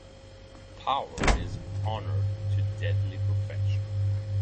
Power is honed to deadly perfection.